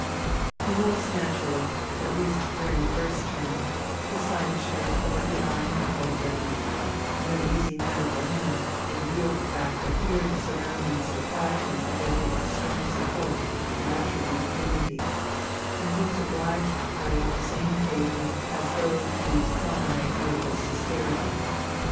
He was naturally, at least during the first term, the cynosure of every eye in the play ground no easy matter for him, in view of the fact that here the surroundings deprived him of every external support and attribute of dignity, and he was obliged to play on the same pavement as those whose common idea was to stare at him.